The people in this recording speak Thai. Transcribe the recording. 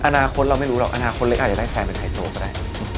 อนาคตเราไม่รู้หรอกอนาคตเล็กอาจจะได้แฟนเป็นไฮโซก็ได้